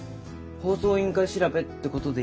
放送委員会調べってことでいい？